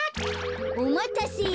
おまたせ。